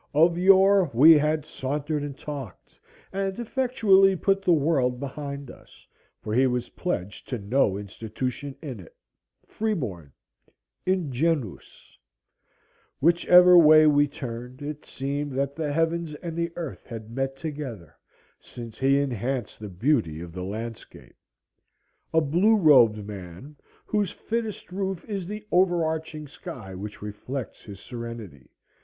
Of yore we had sauntered and talked, and effectually put the world behind us; for he was pledged to no institution in it, freeborn, ingenuus. Whichever way we turned, it seemed that the heavens and the earth had met together, since he enhanced the beauty of the landscape. A blue robed man, whose fittest roof is the overarching sky which reflects his serenity.